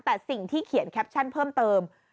แต่สิ่งที่เขียนแคปชั่นเพิ่มเติม